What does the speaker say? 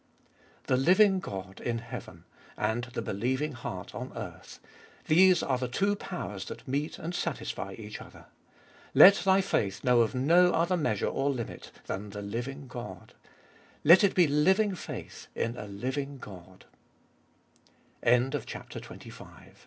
4. The living God in heaven, and the believing heart on earth : these are the two powers that meet and satisfy each other. Let thy faith know of no other measure or limit than the living God. Let it be living faith